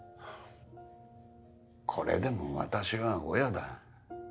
これでも私は親だ。